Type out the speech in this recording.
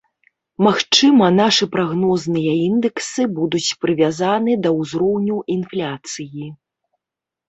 Магчыма, нашы прагнозныя індэксы будуць прывязаны да ўзроўню інфляцыі.